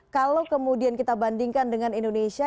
kalau kemudian kita bandingkan dengan indonesia